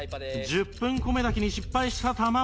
１０分米炊きに失敗した玉森